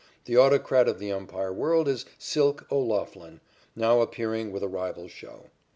The autocrat of the umpire world is "Silk" O'Loughlin, now appearing with a rival show.